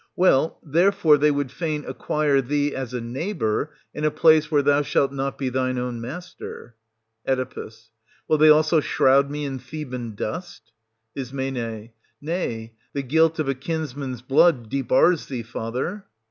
Well, therefore they would fain acquire thee as a neighbour, in a place where thou shalt not be thine own master. Oe. Will they also shroud me in Theban dust } Is. Nay, the guilt of a kinsman's blood debars thee, father.